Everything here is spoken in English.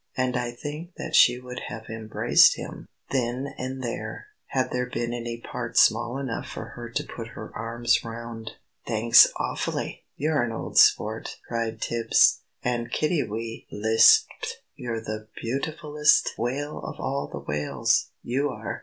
And I think that she would have embraced him, then and there, had there been any part small enough for her to put her arms round. "Thanks awfully. You're an old sport!" cried Tibbs. And Kiddiwee lisped, "You're the beautifullest whale of all the whales, you are!"